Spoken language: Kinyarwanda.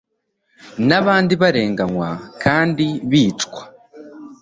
n'abandi barenganywa ndetse bakicwa.